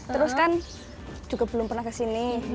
terus kan juga belum pernah kesini